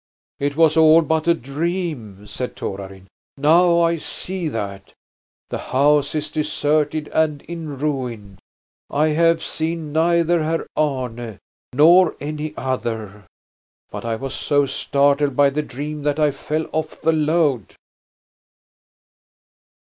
"It was all but a dream," said Torarin; "now I see that. The house is deserted and in ruin. I have seen neither Herr Arne nor any other. But I was so startled by the dream that I fell off the load."